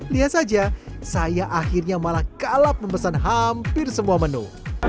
lihat saja saya akhirnya malah kalap memesan hampir semua menu